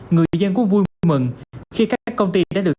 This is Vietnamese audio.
người dân cũng vui mừng khi các công ty đã được